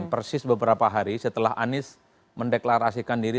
dan persis beberapa hari setelah anies mendeklarasikan diri